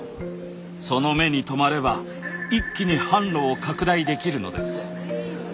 その目に留まれば一気に販路を拡大できるのです。